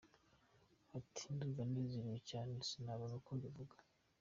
Ati″Ndumva nezerewe cyane sinabona uko mbivuga.